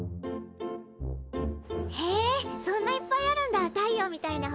へえそんないっぱいあるんだ太陽みたいな星。